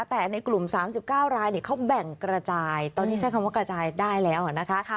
แต่ในกลุ่ม๓๙รายเขาแบ่งกระจายตอนนี้ใช้คำว่ากระจายได้แล้วนะคะ